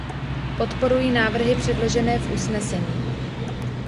Podporuji návrhy předložené v usnesení.